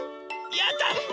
やった！